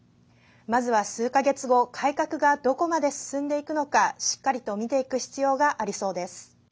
まずは数か月後改革がどこまで進んでいくのかしっかりと見ていく必要がありそうです。